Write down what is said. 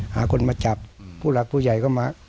หาคนมาจับผู้หลักผู้ใหญ่ก็มา